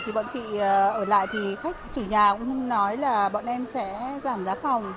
thì bọn chị ở lại thì khách chủ nhà cũng nói là bọn em sẽ giảm giá phòng